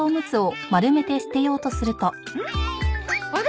あれ？